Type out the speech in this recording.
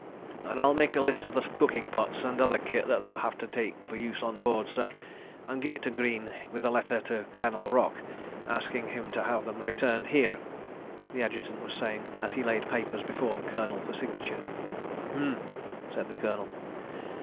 "... And I'll make a list of the cooking pots and other kit that they'll have to take for use on board, sir, and give it to Greene with a letter to Colonel Rock asking him to have them returned here," the Adjutant was saying, as he laid papers before the Colonel for signature. "H'm!" said the Colonel.